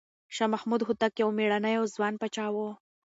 شاه محمود هوتک یو مېړنی او ځوان پاچا و.